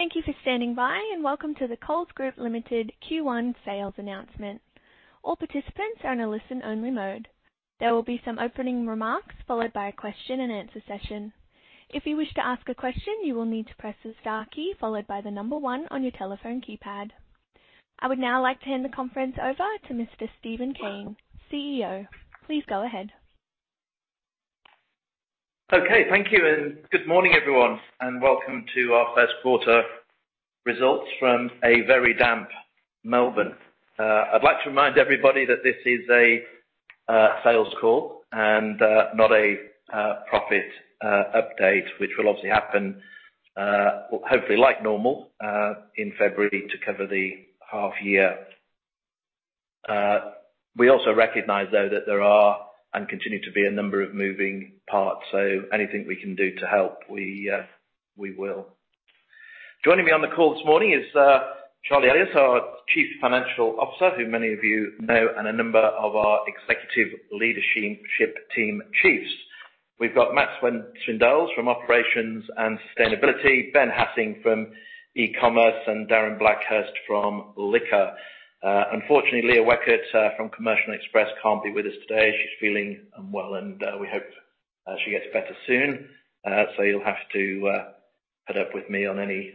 Thank you for standing by, and welcome to the Coles Group Limited Q1 sales announcement. All participants are in a listen-only mode. There will be some opening remarks followed by a Q&A session. If you wish to ask a question, you will need to press the star key followed by the number one on your telephone keypad. I would now like to hand the conference over to Mr. Steven Cain, CEO. Please go ahead. Okay. Thank you, and good morning, everyone, and welcome to our first quarter results from a very damp Melbourne. I'd like to remind everybody that this is a sales call and not a profit update, which will obviously happen, well, hopefully like normal, in February to cover the half year. We also recognize, though, that there are and continue to be a number of moving parts, so anything we can do to help, we will. Joining me on the call this morning is Charlie Elias, our Chief Financial Officer, who many of you know, and a number of our executive leadership team chiefs. We've got Matt Swindells from Operations and Sustainability, Ben Hassing from E-commerce, and Darren Blackhurst from Liquor. Unfortunately, Leah Weckert from Coles Express can't be with us today. She's feeling unwell, and we hope she gets better soon. You'll have to put up with me on any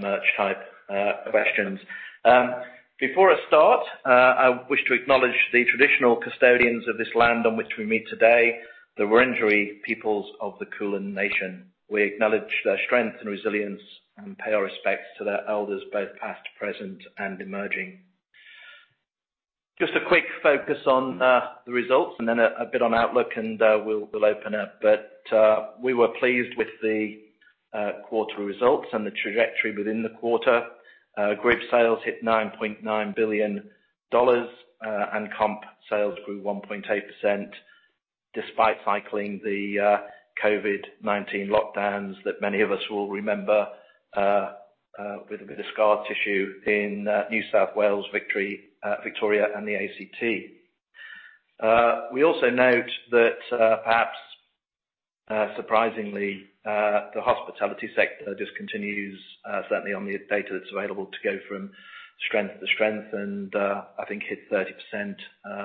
merch type questions. Before I start, I wish to acknowledge the traditional custodians of this land on which we meet today, the Wurundjeri peoples of the Kulin Nation. We acknowledge their strength and resilience and pay our respects to their elders, both past, present, and emerging. Just a quick focus on the results and then a bit on outlook, and we'll open up. We were pleased with the quarter results and the trajectory within the quarter. Group sales hit 9.9 billion dollars, and comp sales grew 1.8% despite cycling the COVID-19 lockdowns that many of us will remember with a bit of scar tissue in New South Wales, Victoria, and the ACT. We also note that, perhaps surprisingly, the hospitality sector just continues, certainly on the data that's available, to go from strength to strength and I think hit 30%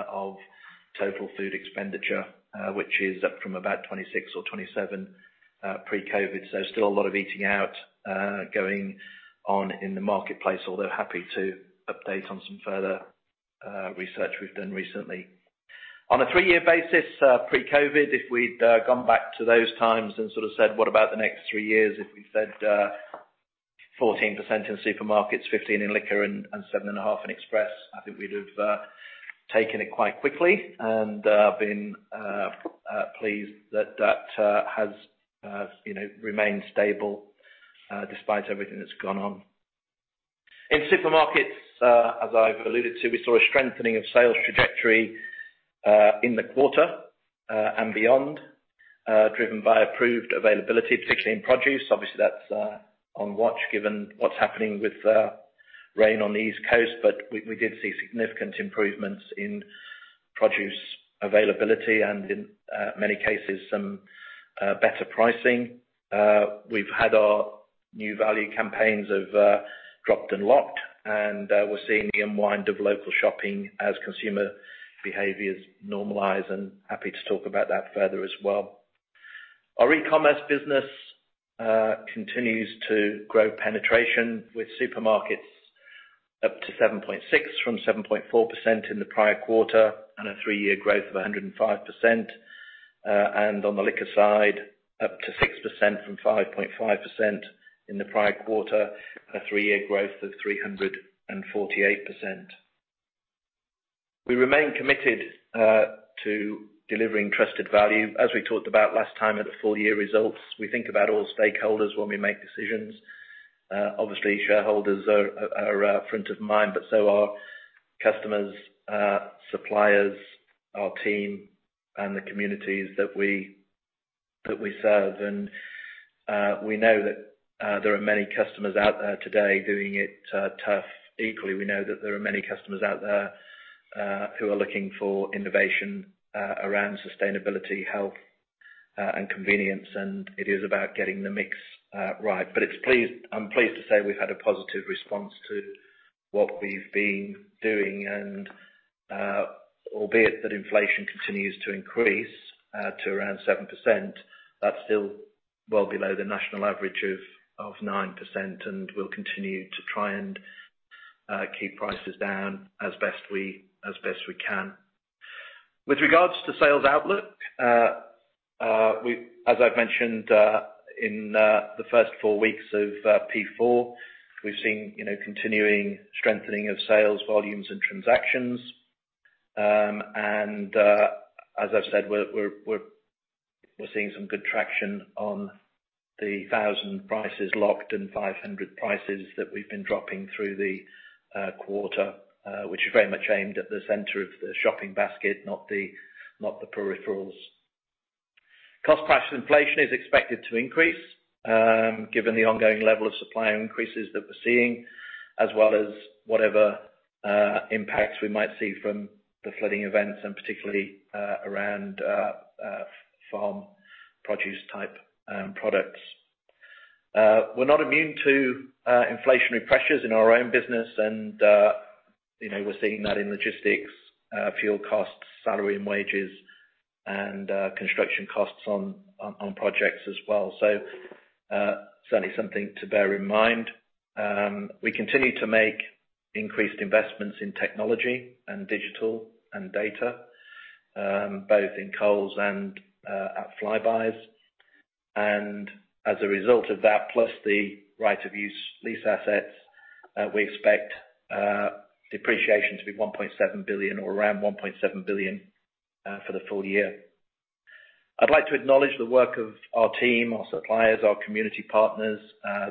of total food expenditure, which is up from about 26 or 27 pre-COVID. Still a lot of eating out going on in the marketplace, although happy to update on some further research we've done recently. On a three-year basis, pre-COVID, if we'd gone back to those times and sort of said, "What about the next three years?" If we said, 14% in supermarkets, 15% in liquor, and 7.5% in express, I think we'd have taken it quite quickly and been pleased that that has, you know, remained stable, despite everything that's gone on. In supermarkets, as I've alluded to, we saw a strengthening of sales trajectory, in the quarter, and beyond, driven by improved availability, particularly in produce. Obviously, that's on watch given what's happening with rain on the East Coast. We did see significant improvements in produce availability and in many cases, some better pricing. We've had our new value campaigns of Dropped & Locked, and we're seeing the unwind of local shopping as consumer behaviors normalize, and happy to talk about that further as well. Our e-commerce business continues to grow penetration with supermarkets up to 7.6% from 7.4% in the prior quarter, and a three-year growth of 105%. On the liquor side, up to 6% from 5.5% in the prior quarter, a three-year growth of 348%. We remain committed to delivering trusted value. As we talked about last time at the full year results, we think about all stakeholders when we make decisions. Obviously shareholders are front of mind, but so are customers, suppliers, our team, and the communities that we serve. We know that there are many customers out there today doing it tough. Equally, we know that there are many customers out there who are looking for innovation around sustainability, health, and convenience, and it is about getting the mix right. I'm pleased to say we've had a positive response to what we've been doing and, albeit that inflation continues to increase to around 7%, that's still well below the national average of 9%, and we'll continue to try and keep prices down as best we can. With regards to sales outlook, As I've mentioned, in the first four weeks of P4, we've seen, you know, continuing strengthening of sales volumes and transactions. As I've said, we're seeing some good traction on the 1,000 prices locked and 500 prices that we've been dropping through the quarter, which are very much aimed at the center of the shopping basket, not the peripherals. Cost price inflation is expected to increase, given the ongoing level of supplier increases that we're seeing, as well as whatever impacts we might see from the flooding events and particularly around farm produce type products. We're not immune to inflationary pressures in our own business. you know, we're seeing that in logistics, fuel costs, salary and wages and construction costs on projects as well. certainly something to bear in mind. We continue to make increased investments in technology and digital and data, both in Coles and at flybuys. As a result of that, plus the right of use lease assets, we expect depreciation to be 1.7 billion or around 1.7 billion for the full year. I'd like to acknowledge the work of our team, our suppliers, our community partners.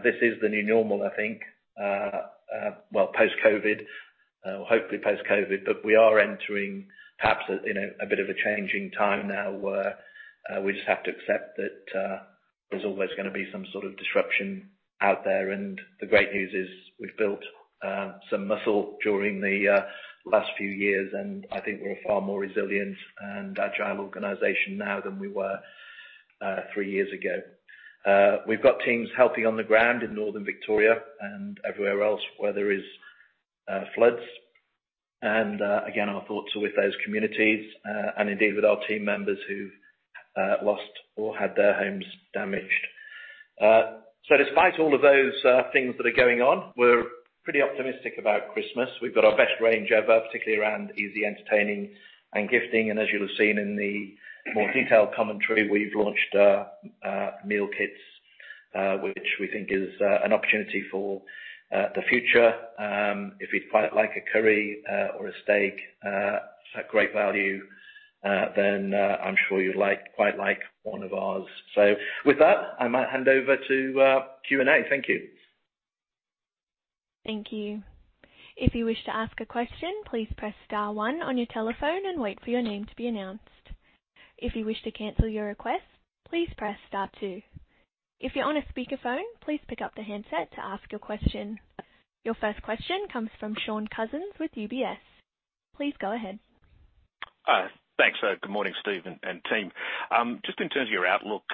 This is the new normal, I think. Well, post-COVID, hopefully post-COVID. We are entering perhaps, you know, a bit of a changing time now where we just have to accept that there's always gonna be some sort of disruption out there. The great news is we've built some muscle during the last few years, and I think we're far more resilient and agile organization now than we were three years ago. We've got teams helping on the ground in Northern Victoria and everywhere else where there is floods. Again, our thoughts are with those communities, and indeed with our team members who lost or had their homes damaged. So despite all of those things that are going on, we're pretty optimistic about Christmas. We've got our best range ever, particularly around easy entertaining and gifting. As you'll have seen in the more detailed commentary, we've launched meal kits, which we think is an opportunity for the future. If you'd quite like a curry or a steak, it's at great value, then I'm sure you'd quite like one of ours. With that, I might hand over to Q&A. Thank you. Thank you. If you wish to ask a question, please press star one on your telephone and wait for your name to be announced. If you wish to cancel your request, please press star two. If you're on a speakerphone, please pick up the handset to ask your question. Your first question comes from Shaun Cousins with UBS. Please go ahead. Thanks. Good morning, Steve and team. Just in terms of your outlook,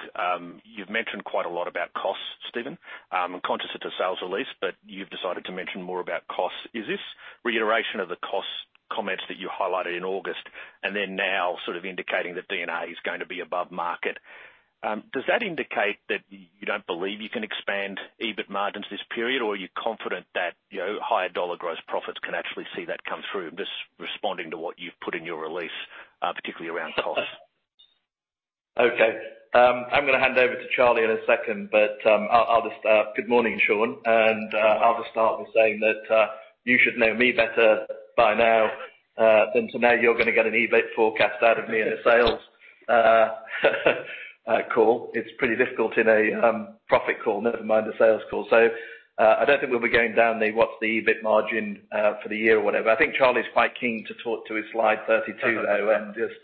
you've mentioned quite a lot about costs, Steven. I'm conscious it's a sales release, but you've decided to mention more about costs. Is this reiteration of the cost comments that you highlighted in August and then now sort of indicating that D&A is going to be above market? Does that indicate that you don't believe you can expand EBIT margins this period, or are you confident that, you know, higher dollar gross profits can actually see that come through? I'm just responding to what you've put in your release, particularly around costs. Okay. I'm gonna hand over to Charlie in a second, but good morning, Shaun, and I'll just start with saying that you should know me better by now than to know you're gonna get an EBIT forecast out of me at a sales call. It's pretty difficult in a profit call, never mind a sales call. I don't think we'll be going down the what's the EBIT margin for the year or whatever. I think Charlie's quite keen to talk to his slide 32, though, and just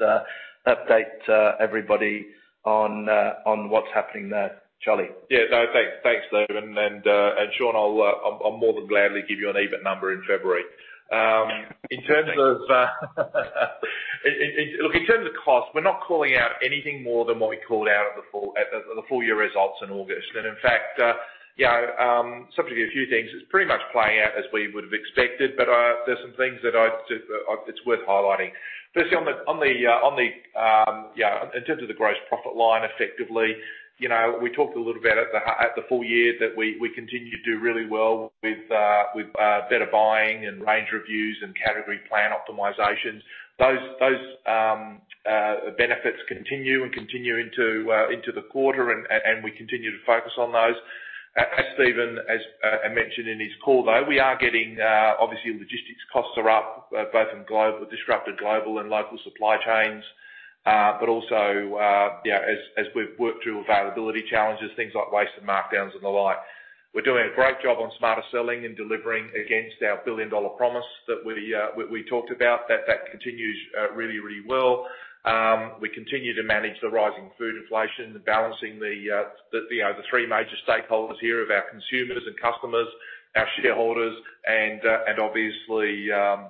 update everybody on what's happening there. Charlie. No, thanks, Steven. Shaun, I'll more than gladly give you an EBIT number in February. Look, in terms of cost, we're not calling out anything more than what we called out at the full year results in August. In fact, you know, subject to a few things, it's pretty much playing out as we would have expected. There's some things it's worth highlighting. Firstly, yeah, in terms of the gross profit line, effectively, you know, we talked a little bit at the full year that we continue to do really well with better buying and range reviews and category plan optimizations. Those benefits continue into the quarter and we continue to focus on those. As Steven mentioned in his call, though, we are getting obviously logistics costs are up both in disrupted global and local supply chains, but also, as we've worked through availability challenges, things like waste and markdowns and the like. We're doing a great job on Smarter Selling and delivering against our billion-dollar promise that we talked about. That continues really well. We continue to manage the rising food inflation, balancing the three major stakeholders here of our consumers and customers, our shareholders, and obviously our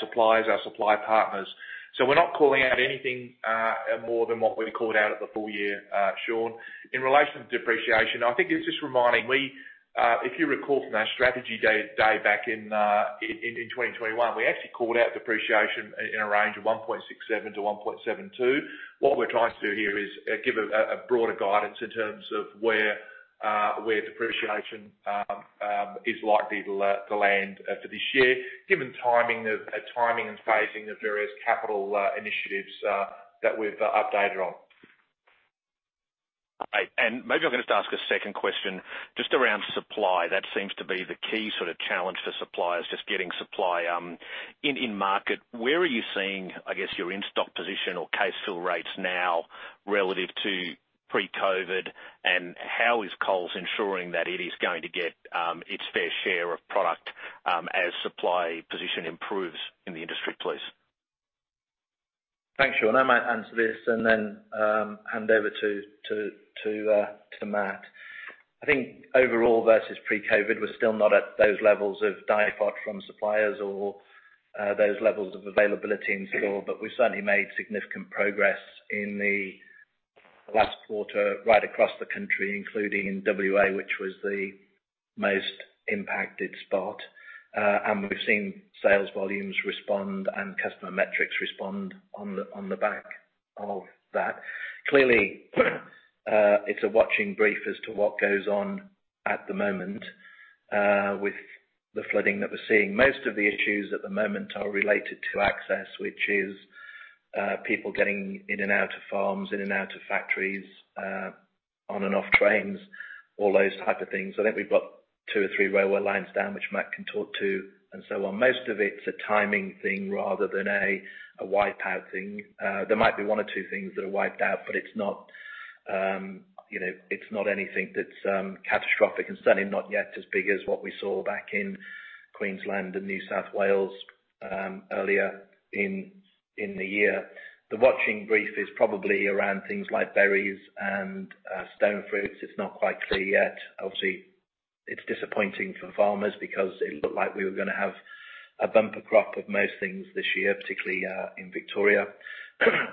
suppliers, our supply partners. We're not calling out anything more than what we called out at the full year, Shaun. In relation to depreciation, I think it's just reminding. We, if you recall from our strategy day back in 2021, we actually called out depreciation in a range of 1.67-1.72. What we're trying to do here is give a broader guidance in terms of where depreciation is likely to land for this year, given timing and phasing of various capital initiatives that we've updated on. Right. Maybe I'm gonna have to ask a second question just around supply. That seems to be the key sort of challenge for suppliers, just getting supply in market. Where are you seeing, I guess, your in-stock position or case fill rates now relative to pre-COVID? How is Coles ensuring that it is going to get its fair share of product as supply position improves in the industry, please? Thanks, Shaun. I might answer this and then hand over to Matt. I think overall versus pre-COVID, we're still not at those levels of disruption from suppliers or those levels of availability in store, but we've certainly made significant progress in the last quarter right across the country, including in WA, which was the most impacted spot. We've seen sales volumes respond and customer metrics respond on the back of that. Clearly, it's a watching brief as to what goes on at the moment with the flooding that we're seeing. Most of the issues at the moment are related to access, which is people getting in and out of farms, in and out of factories, on and off trains, all those type of things. I think we've got two or three railway lines down, which Matt can talk to, and so on. Most of it's a timing thing rather than a wipe-out thing. There might be one or two things that are wiped out, but it's not, you know, it's not anything that's catastrophic and certainly not yet as big as what we saw back in Queensland and New South Wales, earlier in the year. The watching brief is probably around things like berries and stone fruits. It's not quite clear yet. Obviously, it's disappointing for farmers because it looked like we were gonna have a bumper crop of most things this year, particularly in Victoria.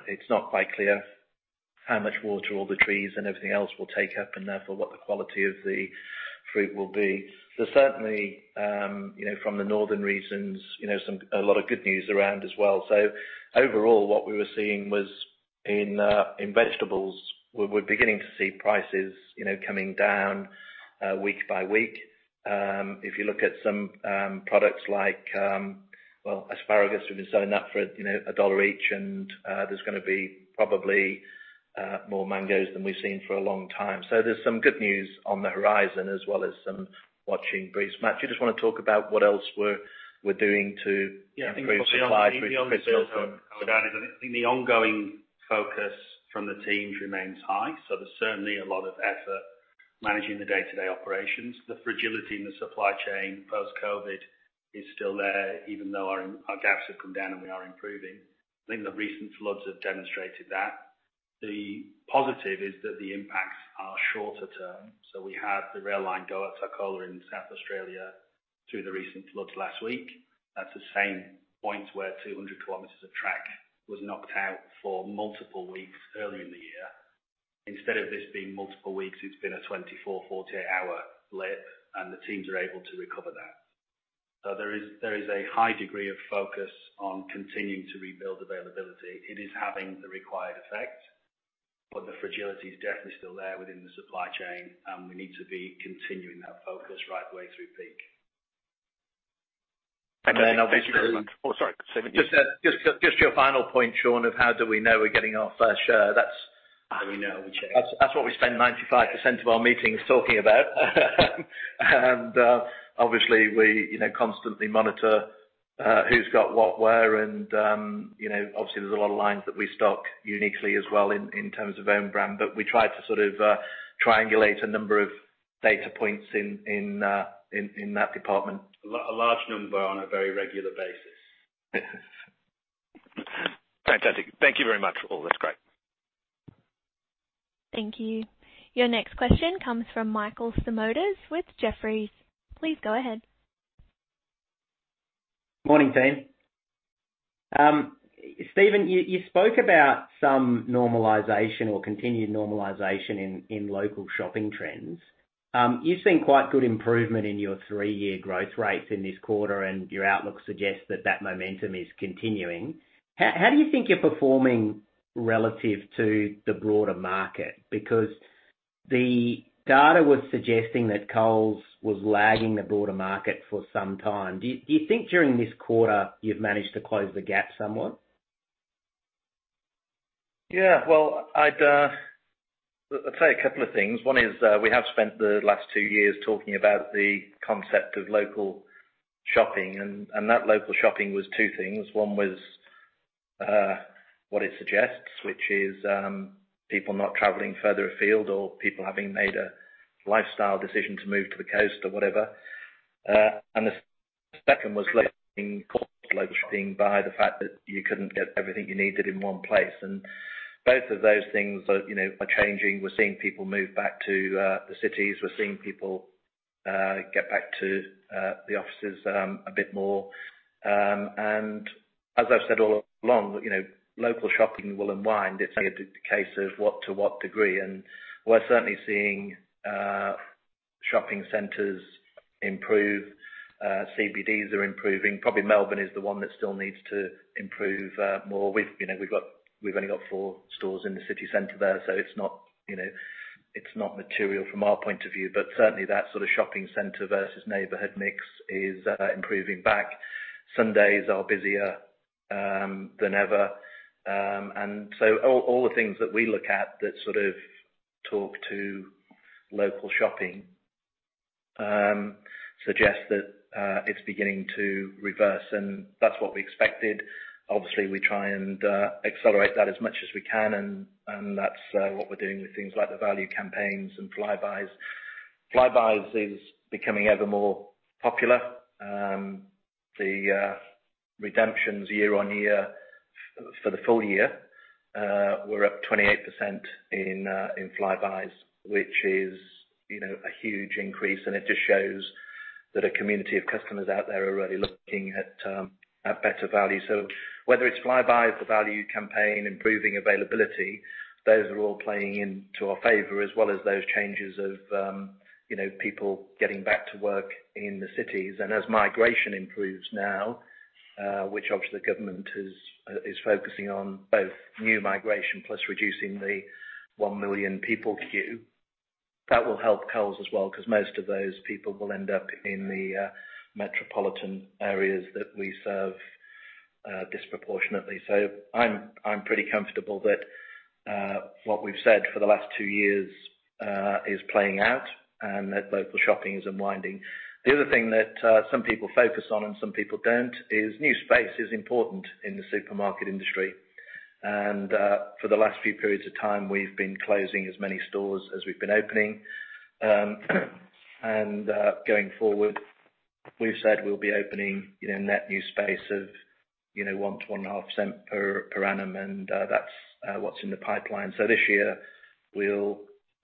It's not quite clear how much water all the trees and everything else will take up and therefore what the quality of the fruit will be. There's certainly, you know, from the northern regions, you know, some a lot of good news around as well. Overall, what we were seeing was in vegetables, we're beginning to see prices, you know, coming down week by week. If you look at some products like well asparagus, we've been selling that for, you know, AUD 1 each and there's gonna be probably more mangoes than we've seen for a long time. There's some good news on the horizon as well as some watching briefs. Matt, do you just wanna talk about what else we're doing to improve supply through to Christmas? Yeah, I think the only thing I would add is I think the ongoing focus from the teams remains high, so there's certainly a lot of effort managing the day-to-day operations. The fragility in the supply chain post-COVID is still there, even though our gaps have come down and we are improving. I think the recent floods have demonstrated that. The positive is that the impacts are shorter term. We had the rail line go at Tarcoola in South Australia through the recent floods last week. That's the same point where 200 km of track was knocked out for multiple weeks earlier in the year. Instead of this being multiple weeks, it's been a 24-48-hour blip, and the teams are able to recover that. There is a high degree of focus on continuing to rebuild availability. It is having the required effect, but the fragility is definitely still there within the supply chain, and we need to be continuing that focus right the way through peak. Thank you very much. Oh, sorry. Just your final point, Shaun, of how do we know we're getting our fair share? That's. How do we know? We check. That's what we spend 95% of our meetings talking about. Obviously we, you know, constantly monitor who's got what, where, and, you know, obviously there's a lot of lines that we stock uniquely as well in terms of own brand, but we try to sort of triangulate a number of data points in that department. A large number on a very regular basis. Fantastic. Thank you very much. All that's great. Thank you. Your next question comes from Michael Simotas with Jefferies. Please go ahead. Morning, team. Steven, you spoke about some normalization or continued normalization in local shopping trends. You've seen quite good improvement in your three-year growth rates in this quarter, and your outlook suggests that momentum is continuing. How do you think you're performing relative to the broader market? Because the data was suggesting that Coles was lagging the broader market for some time. Do you think during this quarter you've managed to close the gap somewhat? Yeah. Well, I'd say a couple of things. One is, we have spent the last two years talking about the concept of local shopping and that local shopping was two things. One was what it suggests, which is, people not traveling further afield or people having made a lifestyle decision to move to the coast or whatever. The second was leading cause local shopping by the fact that you couldn't get everything you needed in one place. Both of those things are, you know, changing. We're seeing people move back to the cities. We're seeing people get back to the offices a bit more. As I've said all along, you know, local shopping will unwind. It's only a case of to what degree, and we're certainly seeing shopping centers improve. CBDs are improving. Probably Melbourne is the one that still needs to improve more. We've, you know, we've only got four stores in the city center there, so it's not, you know, it's not material from our point of view, but certainly that sort of shopping center versus neighborhood mix is improving back. Sundays are busier than ever. All the things that we look at that sort of talk to local shopping suggest that it's beginning to reverse, and that's what we expected. Obviously, we try and accelerate that as much as we can, and that's what we're doing with things like the value campaigns and flybuys. Flybuys is becoming ever more popular. The redemptions year on year for the full year were up 28% in flybuys, which is, you know, a huge increase, and it just shows that a community of customers out there are really looking at better value. Whether it's flybuys, the value campaign, improving availability, those are all playing into our favor, as well as those changes of, you know, people getting back to work in the cities. As migration improves now, which obviously the government is focusing on both new migration plus reducing the one million people queue, that will help Coles as well, because most of those people will end up in the metropolitan areas that we serve disproportionately. I'm pretty comfortable that what we've said for the last two years is playing out and that local shopping is unwinding. The other thing that some people focus on and some people don't is new space is important in the supermarket industry. For the last few periods of time, we've been closing as many stores as we've been opening. Going forward, we've said we'll be opening, you know, net new space of, you know, 1%-1.5% per annum, and that's what's in the pipeline. This year we'll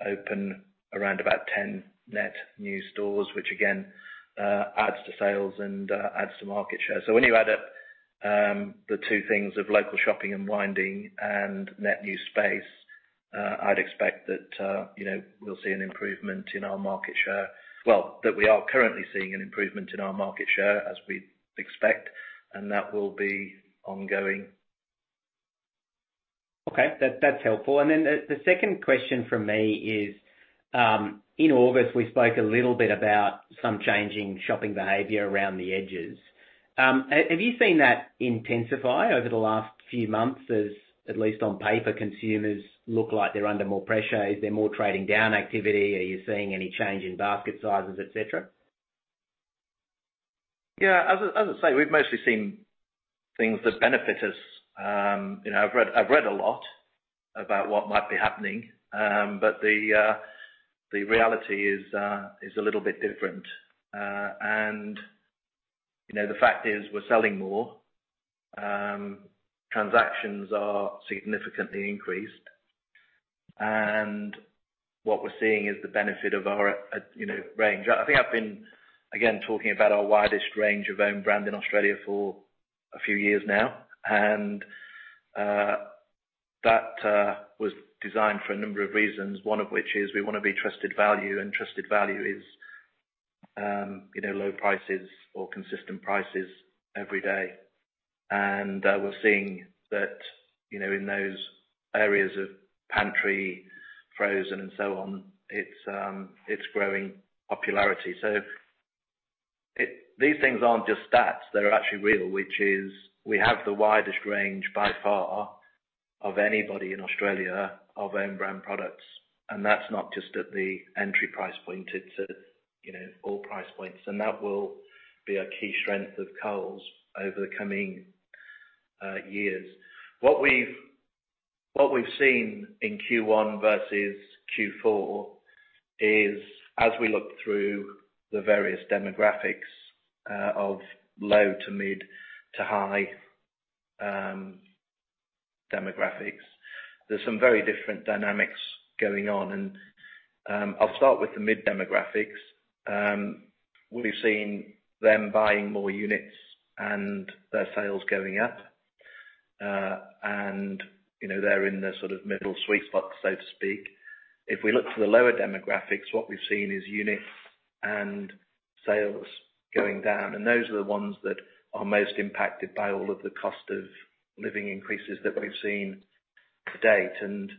open around about 10 net new stores, which again adds to sales and adds to market share. When you add up the two things of local shopping unwinding and net new space, I'd expect that you know we'll see an improvement in our market share. Well, that we are currently seeing an improvement in our market share as we expect, and that will be ongoing. Okay. That's helpful. The second question from me is, in August, we spoke a little bit about some changing shopping behavior around the edges. Have you seen that intensify over the last few months as at least on paper, consumers look like they're under more pressure? Is there more trading down activity? Are you seeing any change in basket sizes, et cetera? Yeah, as I say, we've mostly seen things that benefit us. You know, I've read a lot about what might be happening. But the reality is a little bit different. You know, the fact is we're selling more, transactions are significantly increased. What we're seeing is the benefit of our, you know, range. I think I've been, again, talking about our widest range of own brand in Australia for a few years now. That was designed for a number of reasons, one of which is we wanna be trusted value, and trusted value is, you know, low prices or consistent prices every day. We're seeing that, you know, in those areas of pantry, frozen, and so on, it's growing popularity. These things aren't just stats, they're actually real, which is we have the widest range by far of anybody in Australia of own brand products. That's not just at the entry price point, it's at, you know, all price points. That will be a key strength of Coles over the coming years. What we've seen in Q1 versus Q4 is as we look through the various demographics of low to mid to high demographics, there's some very different dynamics going on. I'll start with the mid demographics. We've seen them buying more units and their sales going up. You know, they're in the sort of middle sweet spot, so to speak. If we look to the lower demographics, what we've seen is units and sales going down, and those are the ones that are most impacted by all of the cost of living increases that we've seen to date.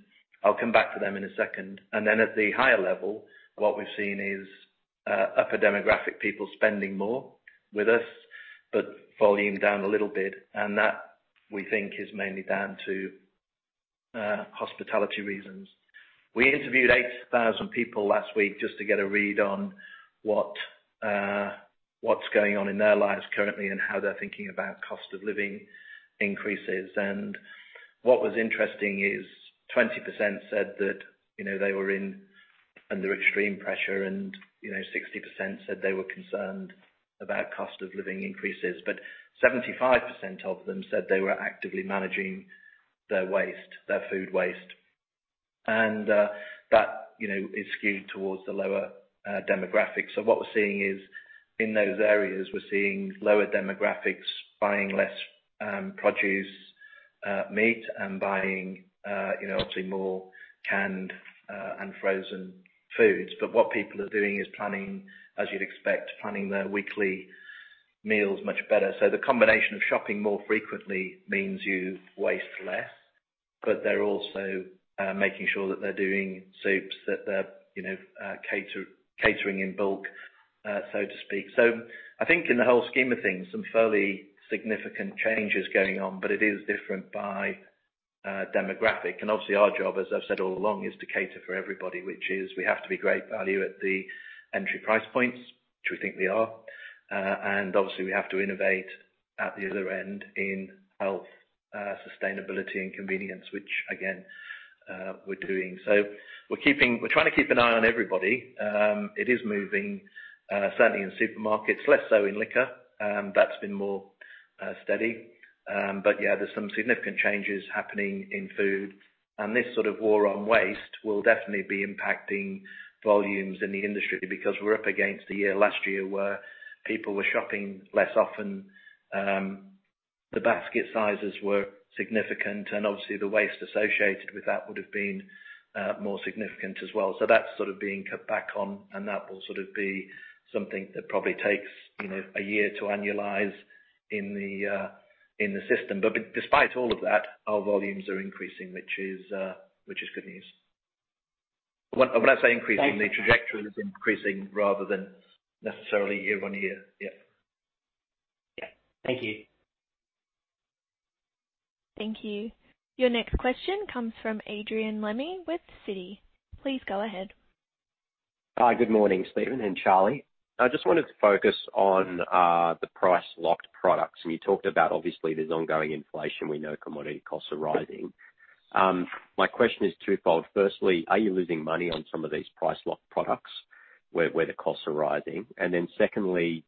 I'll come back to them in a second. Then at the higher level, what we've seen is upper demographic people spending more with us, but volume down a little bit. That, we think, is mainly down to hospitality reasons. We interviewed 8,000 people last week just to get a read on what's going on in their lives currently and how they're thinking about cost of living increases. What was interesting is 20% said that, you know, they were under extreme pressure, and, you know, 60% said they were concerned about cost of living increases, but 75% of them said they were actively managing their waste, their food waste. That, you know, is skewed towards the lower demographics. What we're seeing is in those areas, we're seeing lower demographics buying less produce, meat, and buying, you know, obviously more canned and frozen foods. What people are doing is planning, as you'd expect, planning their weekly meals much better. The combination of shopping more frequently means you waste less, but they're also making sure that they're doing soups, that they're, you know, catering in bulk, so to speak. I think in the whole scheme of things, some fairly significant changes going on, but it is different by demographic. Obviously, our job, as I've said all along, is to cater for everybody, which is we have to be great value at the entry price points, which we think we are. Obviously we have to innovate at the other end in health, sustainability and convenience, which again, we're doing. We're trying to keep an eye on everybody. It is moving certainly in supermarkets, less so in liquor. That's been more steady. Yeah, there's some significant changes happening in food. This sort of war on waste will definitely be impacting volumes in the industry because we're up against the year last year, where people were shopping less often. The basket sizes were significant, and obviously, the waste associated with that would have been more significant as well. That's sort of being cut back on, and that will sort of be something that probably takes, you know, a year to annualize in the system. But despite all of that, our volumes are increasing, which is good news. When I say increasing the trajectory is increasing rather than necessarily year-on-year. Yeah. Yeah. Thank you. Thank you. Your next question comes from Adrian Lemme with Citi. Please go ahead. Hi. Good morning, Steven and Charlie. I just wanted to focus on the price locked products. You talked about obviously there's ongoing inflation. We know commodity costs are rising. My question is twofold. Firstly, are you losing money on some of these price locked products where the costs are rising? Then secondly,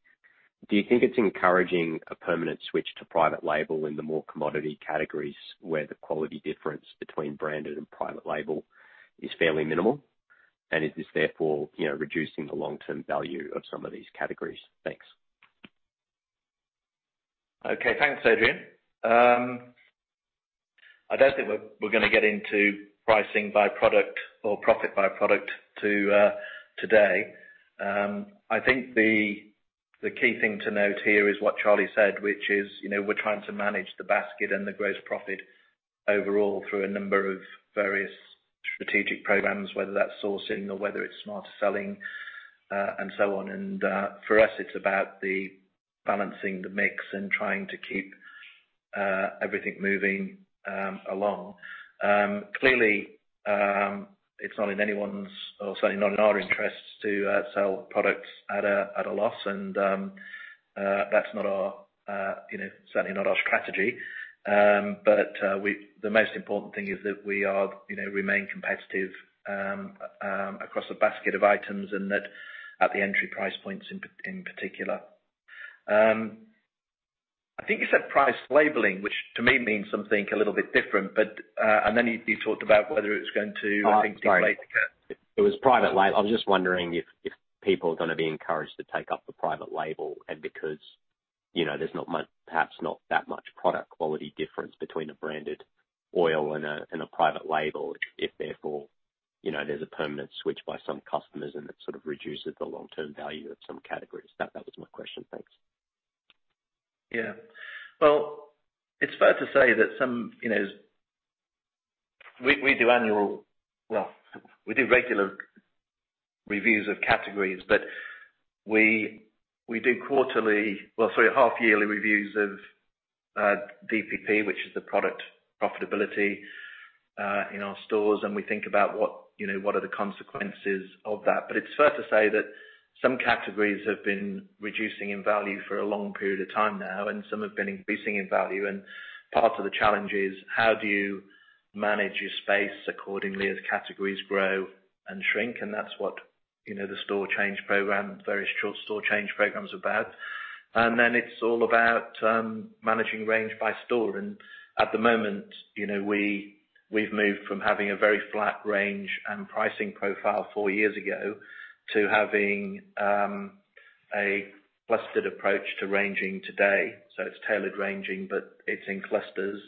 do you think it's encouraging a permanent switch to private label in the more commodity categories where the quality difference between branded and private label is fairly minimal, and it is therefore, you know, reducing the long-term value of some of these categories? Thanks. Okay. Thanks, Adrian. I don't think we're gonna get into pricing by product or profit by product today. I think the key thing to note here is what Charlie said, which is, you know, we're trying to manage the basket and the gross profit overall through a number of various strategic programs, whether that's sourcing or whether it's Smarter Selling, and so on. For us, it's about balancing the mix and trying to keep everything moving along. Clearly, it's not in anyone's, or certainly not in our interests, to sell products at a loss. That's not our, you know, certainly not our strategy. The most important thing is that we are, you know, remain competitive across a basket of items and that at the entry price points in particular. I think you said price labeling, which to me means something a little bit different. Then you talked about whether it's going to. Oh, sorry. I think deflate again. It was private label. I was just wondering if people are gonna be encouraged to take up the private label and because, you know, there's not much perhaps not that much product quality difference between a branded oil and a private label, if therefore, you know, there's a permanent switch by some customers, and it sort of reduces the long-term value of some categories. That was my question. Thanks. Yeah. Well, it's fair to say that some, you know. We do regular reviews of categories, but we do quarterly, well, sorry, half yearly reviews of DPP, which is the product profitability in our stores. We think about what, you know, what are the consequences of that. It's fair to say that some categories have been reducing in value for a long period of time now, and some have been increasing in value. Part of the challenge is how do you manage your space accordingly as categories grow and shrink, and that's what, you know, the store change program, various short store change programs are about. Then it's all about managing range by store. At the moment, you know, we've moved from having a very flat range and pricing profile four years ago to having a clustered approach to ranging today. It's tailored ranging, but it's in clusters,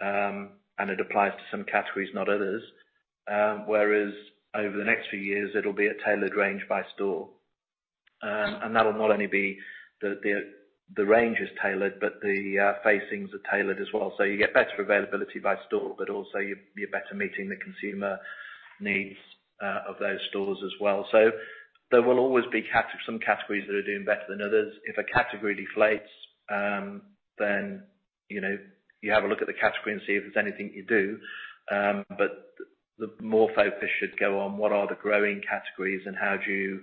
and it applies to some categories, not others. Whereas over the next few years it'll be a tailored range by store. That'll not only be the range is tailored, but the facings are tailored as well. You get better availability by store, but also you're better meeting the consumer needs of those stores as well. There will always be some categories that are doing better than others. If a category deflates, then, you know, you have a look at the category and see if there's anything you do. The more focus should go on what are the growing categories and how do you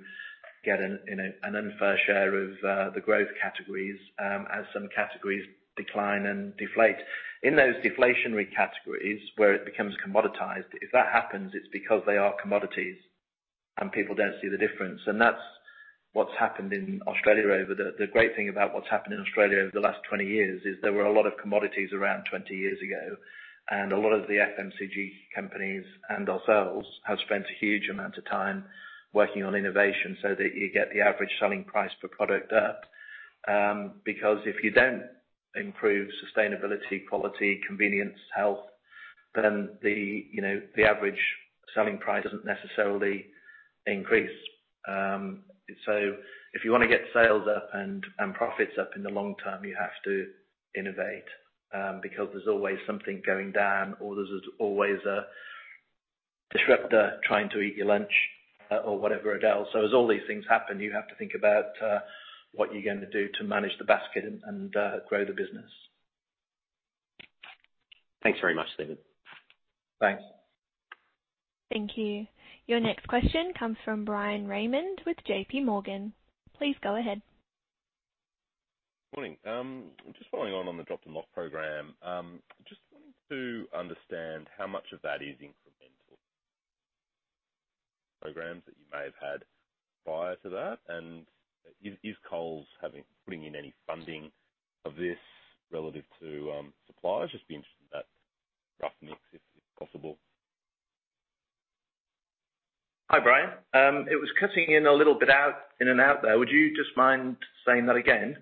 get an, you know, an unfair share of, the growth categories, as some categories decline and deflate. In those deflationary categories where it becomes commoditized, if that happens, it's because they are commodities and people don't see the difference. That's what's happened in Australia over the last 20 years. The great thing about what's happened in Australia over the last 20 years is there were a lot of commodities around 20 years ago, and a lot of the FMCG companies and ourselves have spent a huge amount of time working on innovation so that you get the average selling price per product up. Because if you don't improve sustainability, quality, convenience, health, then the, you know, the average selling price doesn't necessarily increase. If you wanna get sales up and profits up in the long term, you have to innovate, because there's always something going down or there's always a disruptor trying to eat your lunch or whatever else. As all these things happen, you have to think about what you're going to do to manage the basket and grow the business. Thanks very much, Steven. Thanks. Thank you. Your next question comes from Bryan Raymond with JPMorgan. Please go ahead. Morning. Just following on the Dropped & Locked program. Just wanting to understand how much of that is incremental programs that you may have had prior to that. Is Coles putting in any funding of this relative to suppliers? Just be interested in that rough mix if possible. Hi, Bryan. It was cutting in a little bit out, in and out there. Would you just mind saying that again?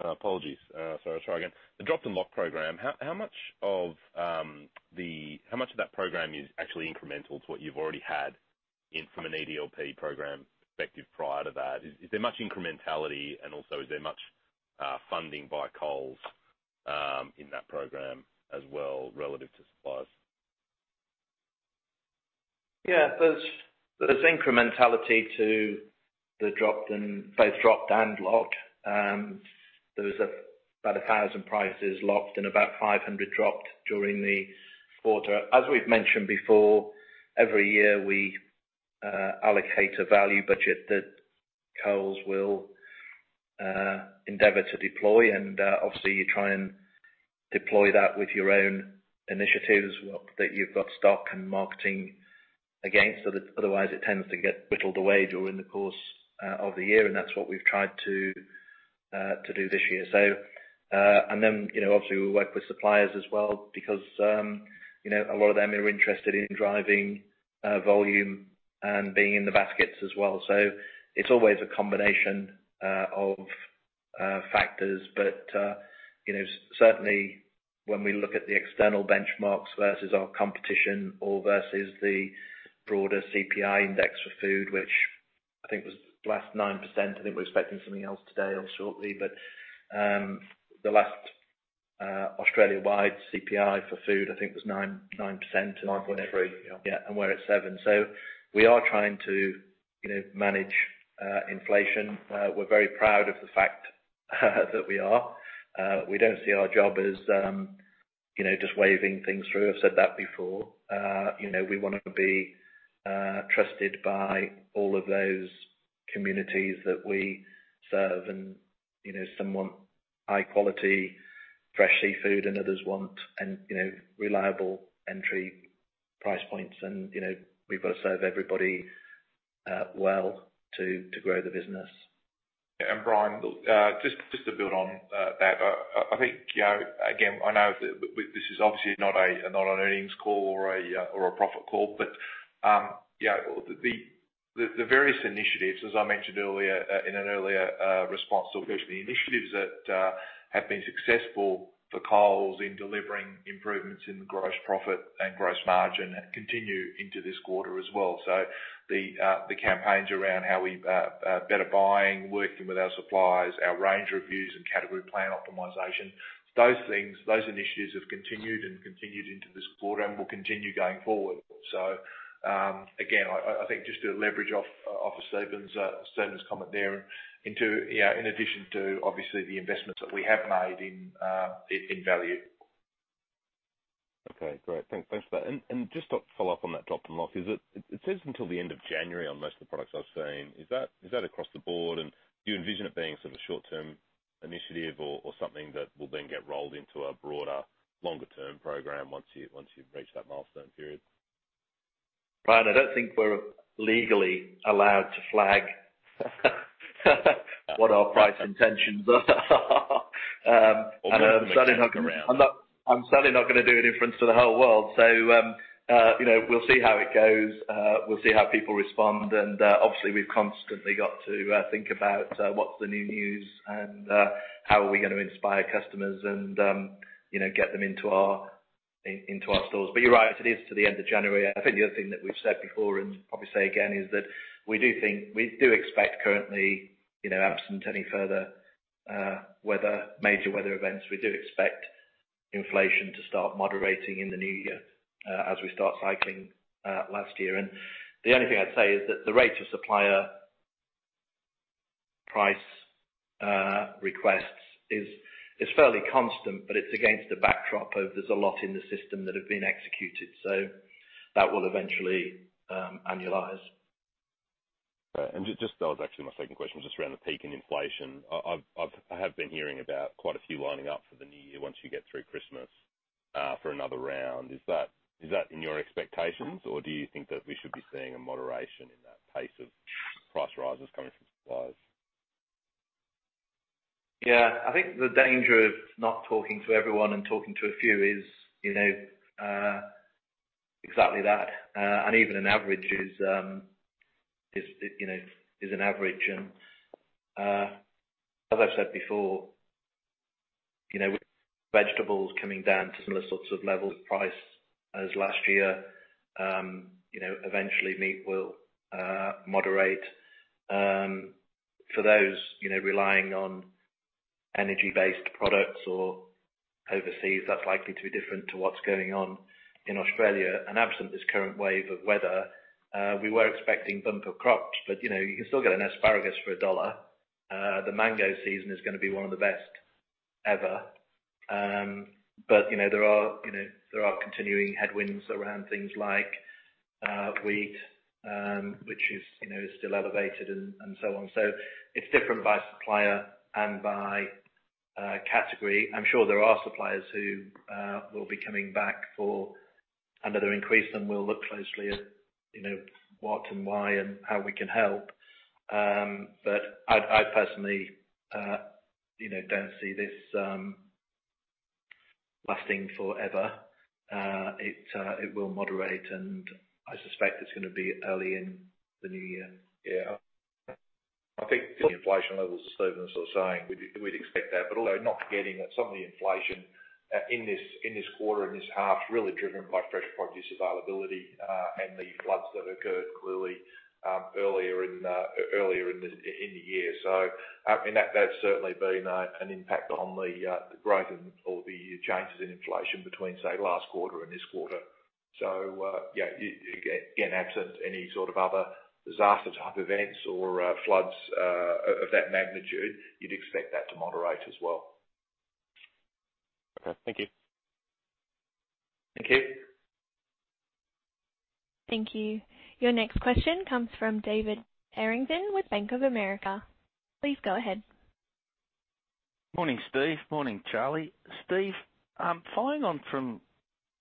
Apologies. I'll try again. The Dropped & Locked program, how much of that program is actually incremental to what you've already had in from an ADLP program effective prior to that? Is there much incrementality? Is there much funding by Coles in that program as well relative to suppliers? Yeah. There's incrementality to the Dropped & Locked. There was about 1,000 prices locked and about 500 dropped during the quarter. As we've mentioned before, every year, we allocate a value budget that Coles will endeavor to deploy. Obviously, you try and deploy that with your own initiatives that you've got stock and marketing against. Otherwise, it tends to get whittled away during the course of the year, and that's what we've tried to do this year. You know, obviously, we work with suppliers as well because, you know, a lot of them are interested in driving volume and being in the baskets as well. It's always a combination of factors. Certainly when we look at the external benchmarks versus our competition or versus the broader CPI index for food, which I think was the last 9%. I think we're expecting something else today or shortly. The last Australia-wide CPI for food, I think, was 9%. 9.3, yeah. Yeah, we're at 7%. We are trying to, you know, manage inflation. We're very proud of the fact that we are. We don't see our job as, you know, just waving things through. I've said that before. You know, we wanna be trusted by all of those communities that we serve. Some want high quality, fresh seafood, and others want, you know, reliable entry price points. We've got to serve everybody well to grow the business. Bryan, just to build on that. I think, you know, again, I know this is obviously not an earnings call or a profit call. Yeah, the various initiatives, as I mentioned earlier, in an earlier response to official initiatives that have been successful for Coles in delivering improvements in the gross profit and gross margin continue into this quarter as well. The campaigns around how we better buying, working with our suppliers, our range reviews and category plan optimization, those things, those initiatives have continued into this quarter and will continue going forward. Again, I think just to leverage off of Steven's comment there into. Yeah, in addition to obviously the investments that we have made in value. Okay. Great. Thanks for that. Just to follow up on that Dropped & Locked. Is it? It says until the end of January on most of the products I've seen. Is that across the board, and do you envision it being sort of a short-term initiative or something that will then get rolled into a broader longer-term program once you've reached that milestone period? Bryan, I don't think we're legally allowed to flag what our price intentions are. I'm certainly not. I'm not, I'm certainly not gonna do an inference to the whole world. You know, we'll see how it goes. We'll see how people respond. Obviously, we've constantly got to think about what's the new news and how are we gonna inspire customers and you know get them into our stores. But you're right, it is to the end of January. I think the other thing that we've said before, and probably say again, is that we do think, we do expect currently, you know, absent any further major weather events, we do expect inflation to start moderating in the new year as we start cycling last year. The only thing I'd say is that the rate of supplier price requests is fairly constant, but it's against a backdrop of there's a lot in the system that have been executed, so that will eventually annualize. Right. That was actually my second question, just around the peak in inflation. I have been hearing about quite a few lining up for the new year once you get through Christmas, for another round. Is that in your expectations, or do you think that we should be seeing a moderation in that pace of price rises coming from suppliers? Yeah. I think the danger of not talking to everyone and talking to a few is, you know, exactly that. Even an average is an average. As I've said before, you know, with vegetables coming down to similar sorts of levels of price as last year, you know, eventually meat will moderate. For those, you know, relying on energy-based products or overseas, that's likely to be different to what's going on in Australia. Absent this current wave of weather, we were expecting bumper crops, but, you know, you can still get an asparagus for AUD 1. The mango season is gonna be one of the best ever. There are continuing headwinds around things like wheat, which is still elevated and so on. It's different by supplier and by category. I'm sure there are suppliers who will be coming back for another increase, then we'll look closely at, you know, what and why and how we can help. I personally don't see this lasting forever. It will moderate, and I suspect it's gonna be early in the new year. Yeah. I think the inflation levels are stable as I was saying, we'd expect that. Although not forgetting that some of the inflation in this quarter and this half is really driven by fresh produce availability and the floods that occurred clearly earlier in the year. I mean, that's certainly been an impact on the growth and/or the changes in inflation between, say, last quarter and this quarter. Yeah, again, absent any sort of other disaster type events or floods of that magnitude, you'd expect that to moderate as well. Okay. Thank you. Thank you. Thank you. Your next question comes from David Errington with Bank of America. Please go ahead. Morning, Steve. Morning, Charlie. Steve, following on from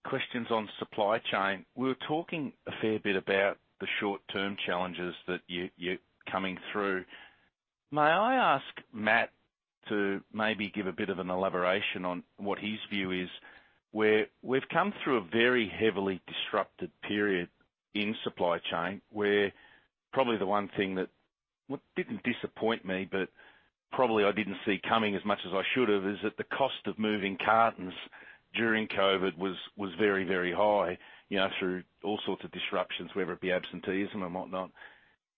questions on supply chain, we were talking a fair bit about the short-term challenges that you're coming through. May I ask Matt to maybe give a bit of an elaboration on what his view is, where we've come through a very heavily disrupted period in supply chain, where probably the one thing that didn't disappoint me, but probably I didn't see coming as much as I should have, is that the cost of moving cartons during COVID was very high, you know, through all sorts of disruptions, whether it be absenteeism and whatnot.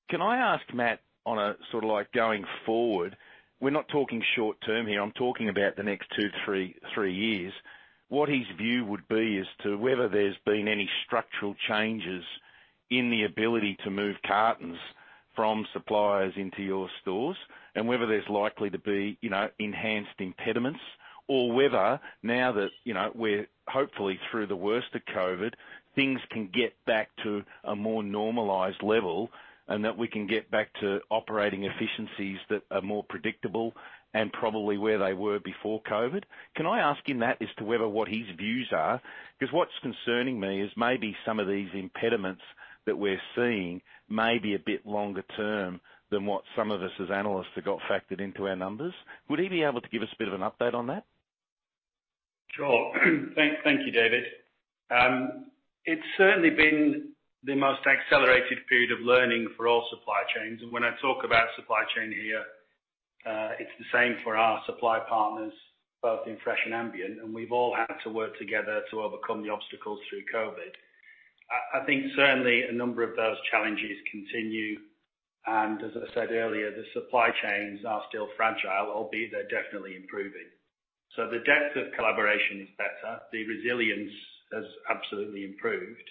Can I ask Matt on a sort of like going forward, we're not talking short-term here, I'm talking about the next two, three years. What his view would be as to whether there's been any structural changes in the ability to move cartons from suppliers into your stores, and whether there's likely to be, you know, enhanced impediments or whether now that, you know, we're hopefully through the worst of COVID, things can get back to a more normalized level, and that we can get back to operating efficiencies that are more predictable and probably where they were before COVID. Can I ask him, Matt, as to whether what his views are? Cause what's concerning me is maybe some of these impediments that we're seeing may be a bit longer term than what some of us as analysts have got factored into our numbers. Would he be able to give us a bit of an update on that? Sure. Thank you, David. It's certainly been the most accelerated period of learning for all supply chains. When I talk about supply chain here, it's the same for our supply partners, both in fresh and ambient. We've all had to work together to overcome the obstacles through COVID. I think certainly a number of those challenges continue, and as I said earlier, the supply chains are still fragile, albeit they're definitely improving. The depth of collaboration is better, the resilience has absolutely improved,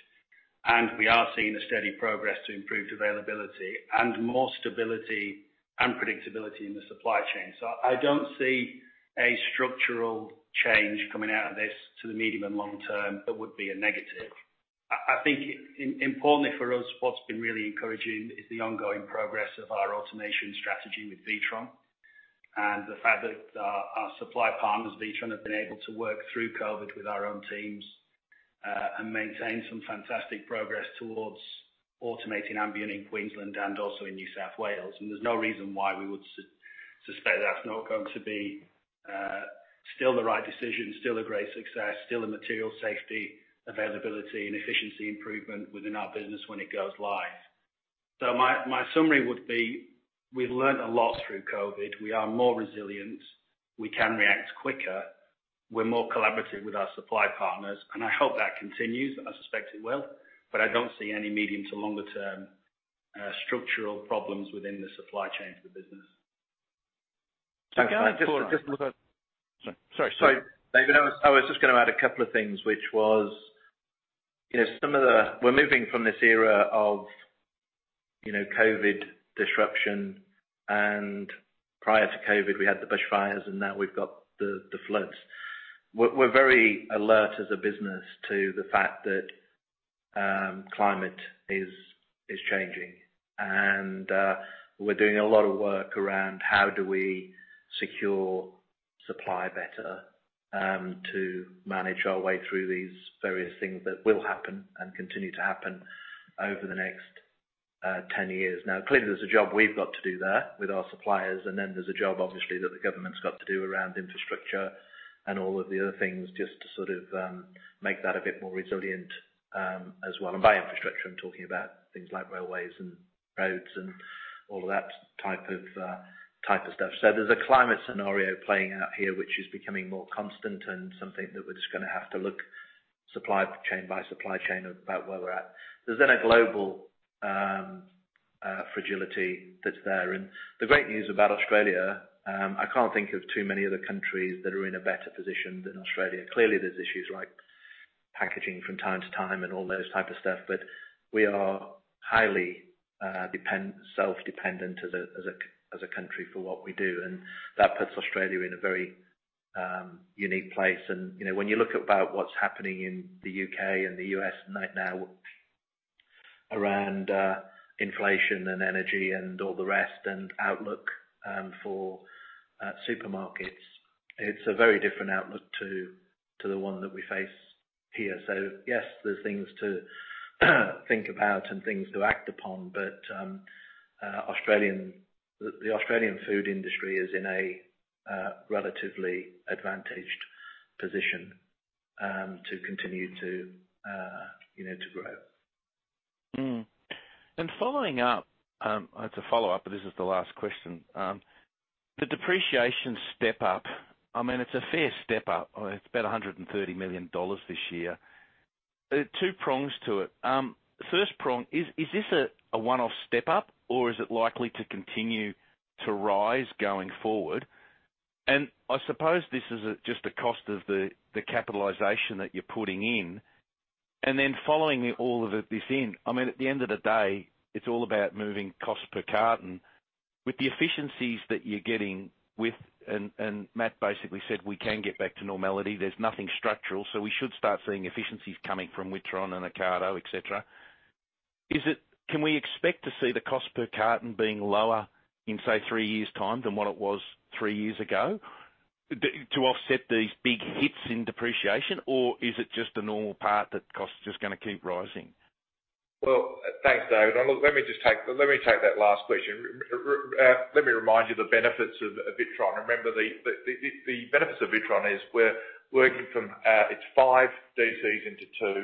and we are seeing a steady progress to improved availability and more stability and predictability in the supply chain. I don't see a structural change coming out of this to the medium and long term that would be a negative. I think importantly for us, what's been really encouraging is the ongoing progress of our automation strategy with WITRON. The fact that our supply partners, WITRON, have been able to work through COVID with our own teams and maintain some fantastic progress towards automating ambient in Queensland and also in New South Wales. There's no reason why we would suspect that's not going to be still the right decision, still a great success, still a material safety, availability, and efficiency improvement within our business when it goes live. My summary would be, we've learned a lot through COVID. We are more resilient, we can react quicker, we're more collaborative with our supply partners, and I hope that continues, and I suspect it will. I don't see any medium to longer term structural problems within the supply chain of the business. Can I just? Sorry. Sorry. Sorry, David. I was just gonna add a couple of things. We're moving from this era of, you know, COVID disruption, and prior to COVID, we had the bushfires, and now we've got the floods. We're very alert as a business to the fact that climate is changing. We're doing a lot of work around how do we secure supply better to manage our way through these various things that will happen and continue to happen over the next 10 years. Now, clearly, there's a job we've got to do there with our suppliers, and then there's a job obviously that the government's got to do around infrastructure and all of the other things, just to sort of make that a bit more resilient as well. By infrastructure, I'm talking about things like railways and roads and all of that type of stuff. There's a climate scenario playing out here, which is becoming more constant and something that we're just gonna have to look supply chain by supply chain about where we're at. There's then a global fragility that's there. The great news about Australia, I can't think of too many other countries that are in a better position than Australia. Clearly, there's issues like packaging from time to time and all those type of stuff, but we are highly self-dependent as a country for what we do, and that puts Australia in a very unique place. You know, when you look about what's happening in the U.K. and the U.S. right now around inflation and energy and all the rest and outlook for supermarkets, it's a very different outlook to the one that we face here. Yes, there's things to think about and things to act upon, but Australian the Australian food industry is in a relatively advantaged position to continue to you know to grow. Following up, it's a follow-up, but this is the last question. The depreciation step-up, I mean, it's a fair step-up. It's about 130 million dollars this year. Two prongs to it. First prong, is this a one-off step up, or is it likely to continue to rise going forward? I suppose this is just a cost of the capitalization that you're putting in. Then following all of this in, I mean, at the end of the day, it's all about moving cost per carton. Matt basically said, we can get back to normality. There's nothing structural, so we should start seeing efficiencies coming from WITRON and Ocado, et cetera. Can we expect to see the cost per carton being lower in, say, three years' time than what it was three years ago to offset these big hits in depreciation? Or is it just a normal part that cost is just gonna keep rising? Well, thanks, David. Look, let me just take that last question. Let me remind you the benefits of WITRON. Remember, the benefits of WITRON is we're working from, it's five DCs into two.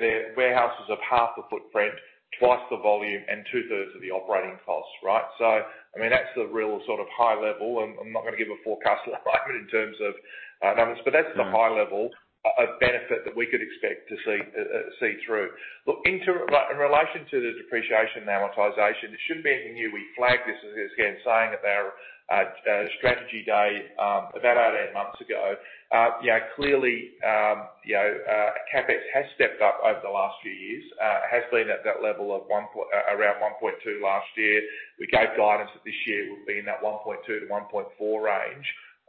They're warehouses of half the footprint, twice the volume, and 2/3s of the operating costs, right? I mean, that's the real sort of high level. I'm not gonna give a forecast in terms of numbers. That's the high level of benefit that we could expect to see through. Look, in relation to the depreciation and amortization, this shouldn't be anything new. We flagged this, again, saying at our strategy day about 18 months ago. Clearly, CapEx has stepped up over the last few years, has been at that level of around 1.2 last year. We gave guidance that this year will be in that 1.2-1.4 range.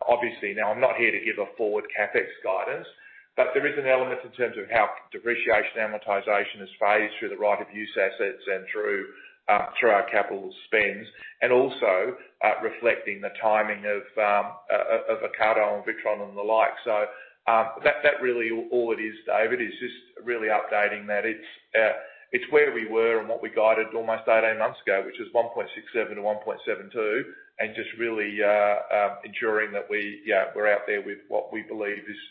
Obviously, now I'm not here to give a forward CapEx guidance, but there is an element in terms of how depreciation and amortization is phased through the right-of-use assets and through our capital spends and also reflecting the timing of Ocado and WITRON and the like. That really all it is, David, is just really updating that. It's where we were and what we guided almost 18 months ago, which is 1.67-1.72, and just really ensuring that we're out there with what we believe is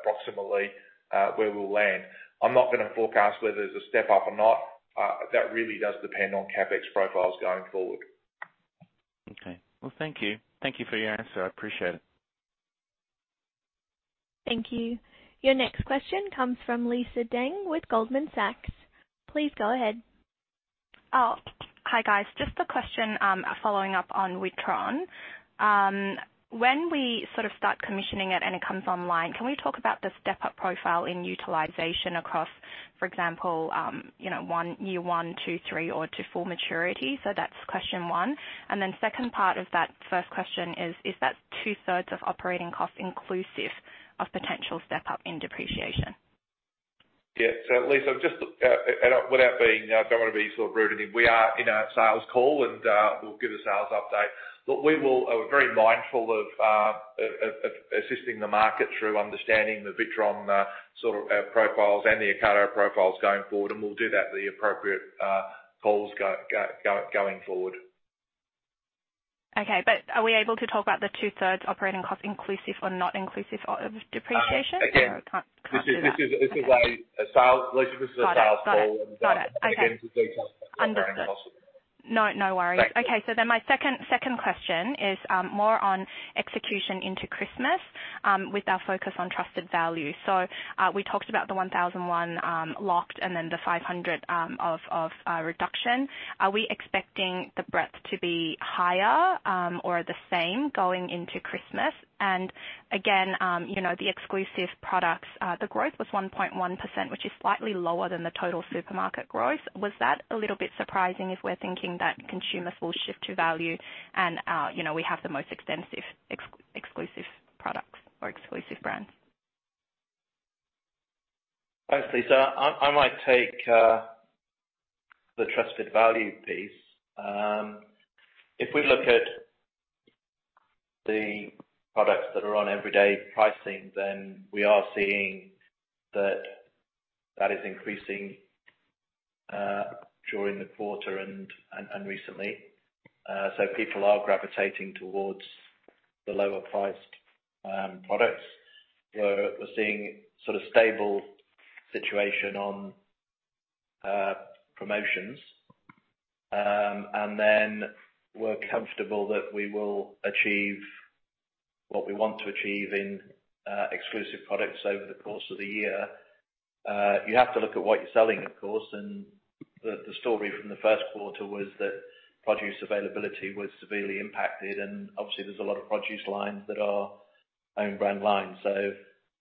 approximately where we'll land. I'm not gonna forecast whether there's a step up or not. That really does depend on CapEx profiles going forward. Okay. Well, thank you. Thank you for your answer. I appreciate it. Thank you. Your next question comes from Lisa Deng with Goldman Sachs. Please go ahead. Oh. Hi, guys. Just a question, following up on Witron. When we sort of start commissioning it and it comes online, can we talk about the step-up profile in utilization across, for example, you know, year one, year two, year three, or to full maturity? That's question one. Then second part of that first question is that 2/3s of operating costs inclusive of potential step-up in depreciation? Yeah. Lisa, just and without being, I don't wanna be sort of rude, we are in a sales call and, we'll give a sales update. Look, we are very mindful of assisting the market through understanding the WITRON sort of profiles and the Ocado profiles going forward, and we'll do that at the appropriate calls going forward. Okay. Are we able to talk about the two-thirds operating cost inclusive or not inclusive of depreciation? Again- Can't do that. Lisa, this is a sales call. Got it. Again- Understood. No, no worries. Thank you. Okay. My second question is more on execution into Christmas with our focus on trusted value. We talked about the 1,001 locked and then the 500 of reduction. Are we expecting the breadth to be higher or the same going into Christmas? Again, you know, the exclusive products, the growth was 1.1%, which is slightly lower than the total supermarket growth. Was that a little bit surprising if we're thinking that consumers will shift to value and you know we have the most extensive exclusive products or exclusive brands? Thanks, Lisa. I might take the trusted value piece. If we look at the products that are on everyday pricing, then we are seeing that that is increasing during the quarter and recently. So people are gravitating towards the lower-priced products. We're seeing sort of stable situation on promotions. And then we're comfortable that we will achieve what we want to achieve in exclusive products over the course of the year. You have to look at what you're selling, of course. The story from the first quarter was that produce availability was severely impacted, and obviously there's a lot of produce lines that are own brand lines. So,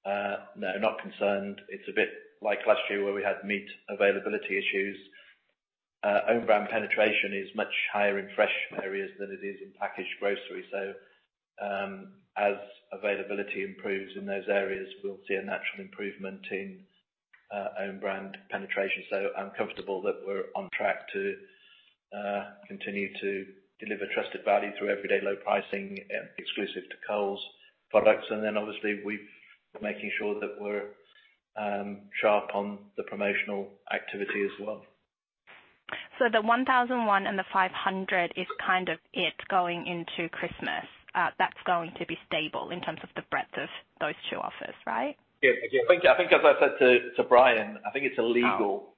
no, not concerned. It's a bit like last year, where we had meat availability issues. Own brand penetration is much higher in fresh areas than it is in packaged grocery. As availability improves in those areas, we'll see a natural improvement in own brand penetration. I'm comfortable that we're on track to continue to deliver trusted value through everyday low pricing exclusive to Coles products. Obviously we're making sure that we're sharp on the promotional activity as well. The 1,001 and the 500 is kind of it going into Christmas. That's going to be stable in terms of the breadth of those two offers, right? Yeah. I think as I said to Bryan, I think it's illegal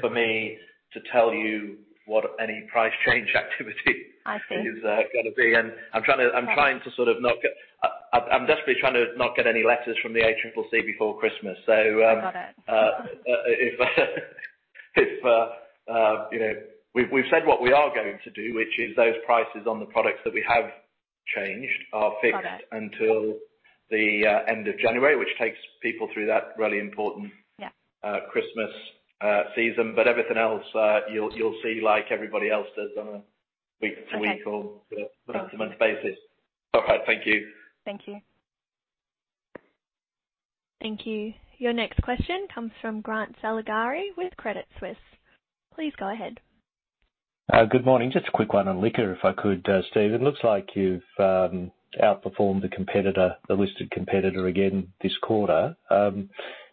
for me to tell you what any price change activity. I see. I'm trying to sort of not get any letters from the ACCC before Christmas. Got it. You know, we've said what we are going to do, which is those prices on the products that we have changed are fixed. Got it. until the end of January, which takes people through that really important Yeah. Christmas season. Everything else, you'll see like everybody else does on a week-to-week or month-to-month basis. All right. Thank you. Thank you. Thank you. Your next question comes from Grant Saligari with Credit Suisse. Please go ahead. Good morning. Just a quick one on liquor, if I could, Steve. It looks like you've outperformed the competitor, the listed competitor again this quarter.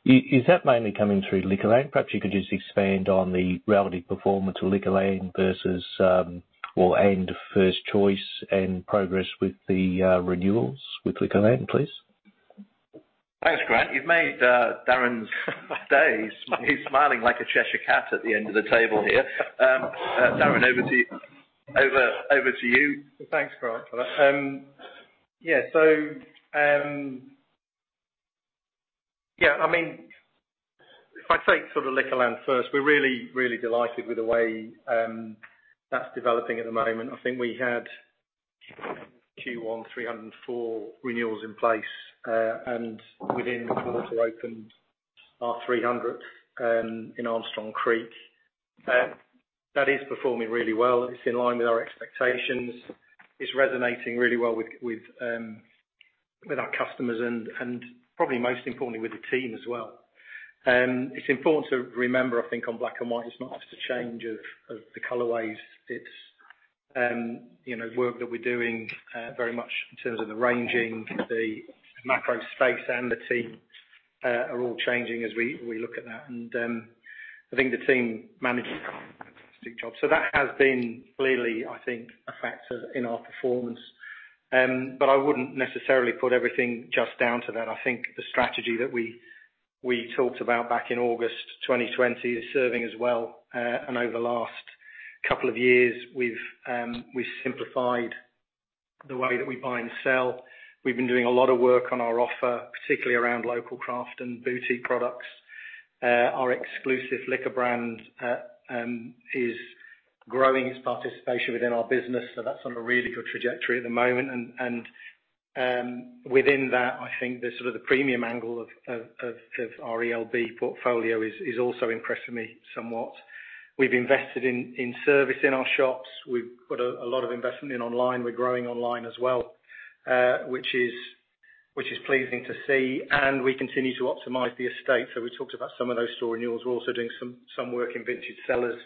Is that mainly coming through Liquorland? Perhaps you could just expand on the relative performance of Liquorland versus or and First Choice and progress with the renewals with Liquorland, please. Thanks, Grant. You've made Darren's day. He's smiling like a Cheshire cat at the end of the table here. Darren, over to you. Over to you. Thanks, Grant, for that. Yeah, I mean, if I take sort of Liquorland first, we're really, really delighted with the way that's developing at the moment. I think we had Q1 304 renewals in place, and within the quarter opened our 300th in Armstrong Creek. That is performing really well. It's in line with our expectations. It's resonating really well with our customers and probably most importantly, with the team as well. It's important to remember, I think on Black & White, it's not just a change of the colorways. It's, you know, work that we're doing very much in terms of the ranging, the macro space and the team are all changing as we look at that. I think the team managed a fantastic job. That has been clearly, I think, a factor in our performance. I wouldn't necessarily put everything just down to that. I think the strategy that we talked about back in August 2020 is serving us well. Over the last couple of years, we've simplified the way that we buy and sell. We've been doing a lot of work on our offer, particularly around local craft and boutique products. Our exclusive liquor brand is growing its participation within our business, so that's on a really good trajectory at the moment. Within that, I think the sort of the premium angle of our ELB portfolio is also impressing me somewhat. We've invested in service in our shops. We've put a lot of investment in online. We're growing online as well, which is pleasing to see. We continue to optimize the estate. We talked about some of those store renewals. We're also doing some work in Vintage Cellars,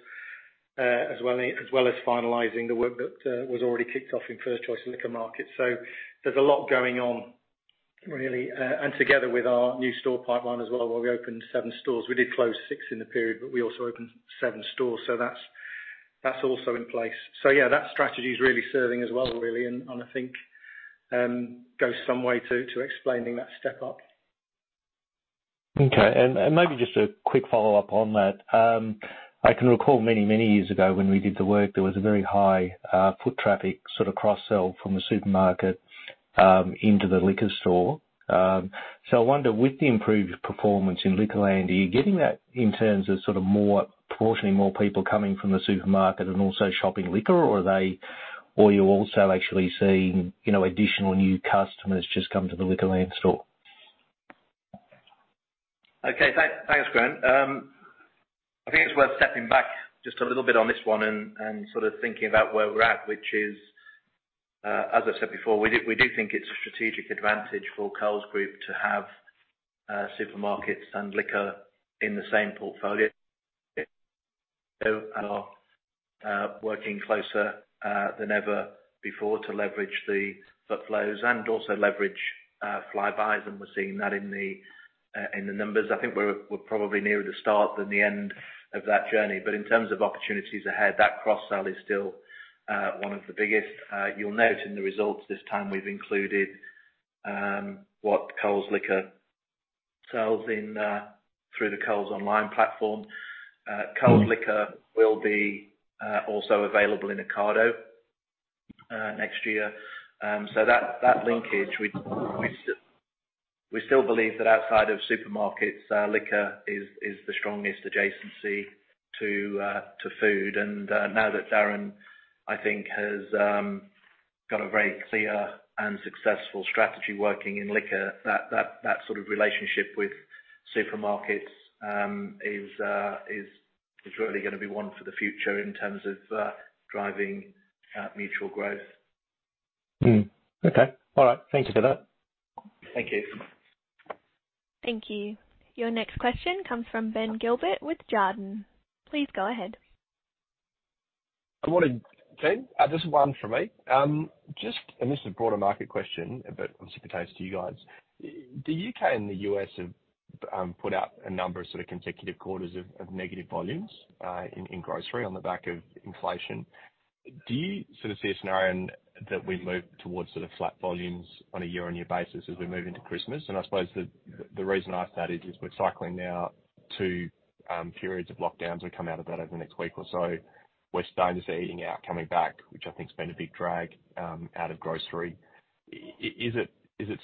as well as finalizing the work that was already kicked off in First Choice Liquor Market. There's a lot going on really. Together with our new store pipeline as well, where we opened seven stores. We did close six in the period, but we also opened seven stores, so that's also in place. Yeah, that strategy is really serving us well, really, and I think goes some way to explaining that step up. Maybe just a quick follow-up on that. I can recall many years ago when we did the work, there was a very high foot traffic sort of cross-sell from the supermarket into the liquor store. I wonder, with the improved performance in Liquorland, are you getting that in terms of sort of proportionally more people coming from the supermarket and also shopping liquor? Or are you also actually seeing, you know, additional new customers just come to the Liquorland store? Okay. Thanks. Thanks, Grant. I think it's worth stepping back just a little bit on this one and sort of thinking about where we're at, which is, as I said before, we do think it's a strategic advantage for Coles Group to have supermarkets and liquor in the same portfolio. We are working closer than ever before to leverage the footfall and also leverage flybuys, and we're seeing that in the numbers. I think we're probably nearer the start than the end of that journey. In terms of opportunities ahead, that cross-sell is still one of the biggest. You'll note in the results this time we've included what Coles Liquor sells through the Coles online platform. Coles Liquor will be also available in Ocado next year. That linkage, we still believe that outside of supermarkets, liquor is the strongest adjacency to food. Now that Darren, I think, has got a very clear and successful strategy working in liquor, that sort of relationship with supermarkets is really gonna be one for the future in terms of driving mutual growth. Okay. All right. Thank you for that. Thank you. Thank you. Your next question comes from Ben Gilbert with Jarden. Please go ahead. Good morning, Steve. Just one from me. This is a broader market question, but I'm super curious to you guys. The U.K. and the U.S. have put out a number of sort of consecutive quarters of negative volumes in grocery on the back of inflation. Do you sort of see a scenario that we move towards sort of flat volumes on a year-on-year basis as we move into Christmas? I suppose the reason I ask that is we're cycling now two periods of lockdowns. We come out of that over the next week or so. Wesfarmers are eating out, coming back, which I think has been a big drag out of grocery. Is it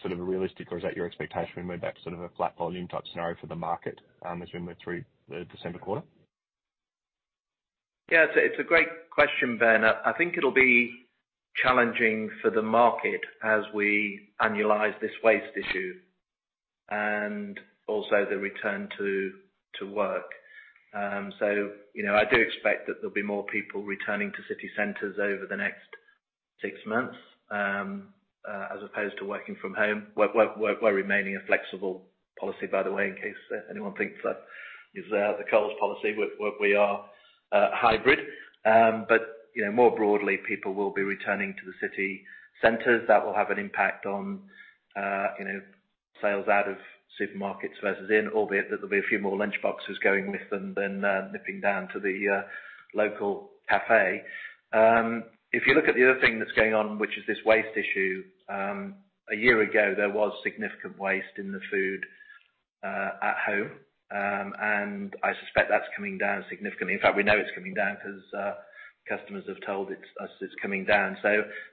sort of realistic or is that your expectation we move back to sort of a flat volume type scenario for the market, as we move through the December quarter? It's a great question, Ben. I think it'll be challenging for the market as we annualize this waste issue and also the return to work. You know, I do expect that there'll be more people returning to city centers over the next six months as opposed to working from home. We're remaining a flexible policy by the way, in case anyone thinks that is the Coles policy. We are hybrid. You know, more broadly, people will be returning to the city centers. That will have an impact on you know, sales out of supermarkets versus in, albeit that there'll be a few more lunchboxes going with them than nipping down to the local cafe. If you look at the other thing that's going on, which is this waste issue, a year ago there was significant waste in the food at home. I suspect that's coming down significantly. In fact, we know it's coming down cause customers have told us it's coming down.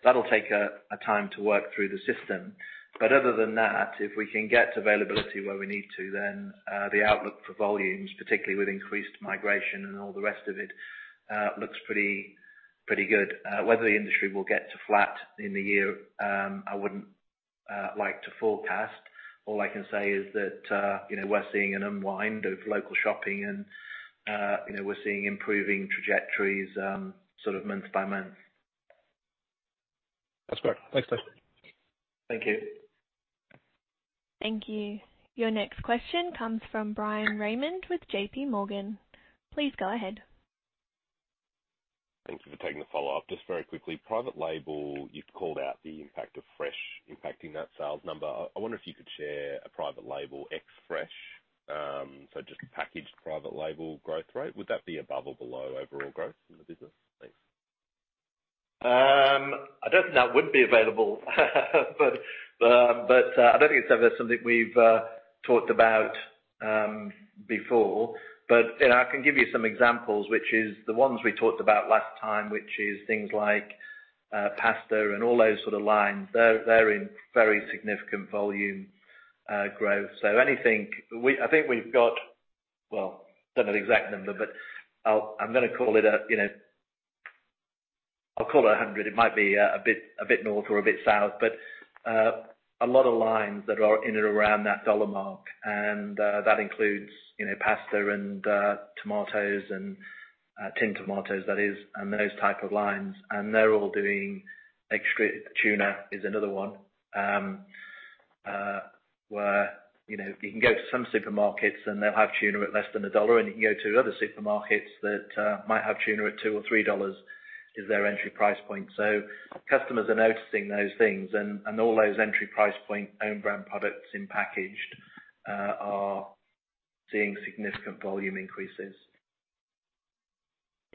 That'll take a time to work through the system. Other than that, if we can get to availability where we need to, then the outlook for volumes, particularly with increased migration and all the rest of it, looks pretty good. Whether the industry will get to flat in the year, I wouldn't like to forecast. All I can say is that, you know, we're seeing an unwind of local shopping and, you know, we're seeing improving trajectories, sort of month by month. That's great. Thanks, Steve. Thank you. Thank you. Your next question comes from Bryan Raymond with JPMorgan. Please go ahead. Thanks for taking the follow-up. Just very quickly, private label, you've called out the impact of fresh impacting that sales number. I wonder if you could share a private label ex fresh. So just packaged private label growth rate. Would that be above or below overall growth in the business? Thanks. I don't think that would be available. I don't think it's ever something we've talked about before. You know, I can give you some examples, which is the ones we talked about last time, which is things like pasta and all those sort of lines. They're in very significant volume growth. I think we've got. Well, don't know the exact number, but I'm gonna call it, you know, 100. It might be a bit north or a bit south. A lot of lines that are in and around that AUD 1 mark, and that includes, you know, pasta and tomatoes and canned tomatoes, that is, and those type of lines, and they're all doing. Extra tuna is another one, where you know you can go to some supermarkets, and they'll have tuna at less than AUD 1, and you can go to other supermarkets that might have tuna at 2 or 3 dollars as their entry price point. Customers are noticing those things and all those entry price point own brand products in packaged are seeing significant volume increases.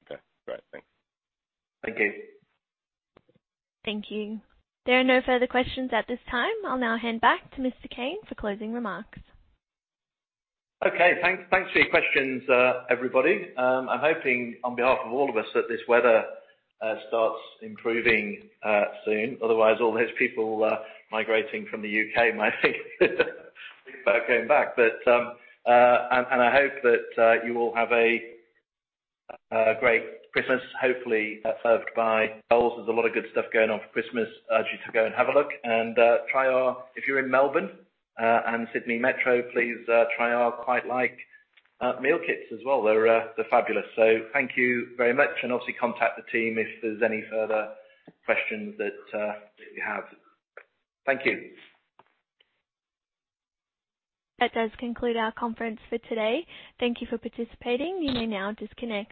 Okay. All right. Thanks. Thank you. Thank you. There are no further questions at this time. I'll now hand back to Mr. Cain for closing remarks. Okay. Thanks for your questions, everybody. I'm hoping on behalf of all of us that this weather starts improving soon. Otherwise, all those people migrating from the U.K. might think about coming back. I hope that you all have a great Christmas, hopefully served by Coles. There's a lot of good stuff going on for Christmas. Urge you to go and have a look. If you're in Melbourne and Sydney Metro, please try our QuiteLike meal kits as well. They're fabulous. Thank you very much and obviously contact the team if there's any further questions that you have. Thank you. That does conclude our conference for today. Thank you for participating. You may now disconnect.